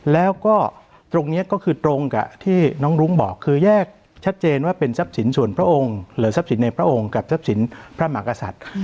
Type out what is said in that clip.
แล้วก็ตรงนี้ก็คือตรงกับที่น้องรุ้งบอกคือแยกชัดเจนว่าเป็นทรัพย์สินส่วนพระองค์หรือทรัพย์สินในพระองค์กับทรัพย์สินพระมหากษัตริย์